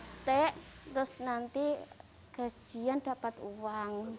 di sini batik terus nanti gajian dapat uang